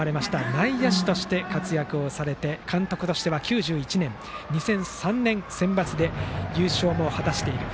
内野手として活躍をされて監督としては９１年、２００３年にセンバツで優勝も果たしています。